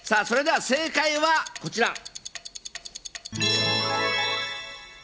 それでは正解はこちら。